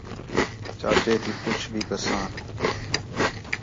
چاچے تی پُچھ بھی کساں